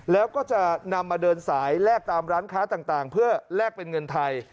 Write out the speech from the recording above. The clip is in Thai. แล้วก็จะนำมาเดินสายแลกตามร้านค้าต่างเพื่อแลกเป็นเงินไทย